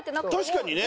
確かにね。